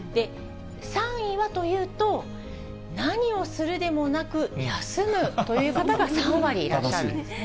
３位はというと、何をするでもなく、休むという方が３割いらっしゃるんですね。